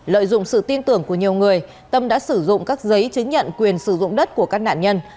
lợi dụng sự tin tưởng của nhiều người tâm đã sử dụng các giấy chứng nhận quyền sử dụng đất của các nạn nhân